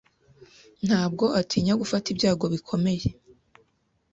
Ntabwo atinya gufata ibyago bikomeye.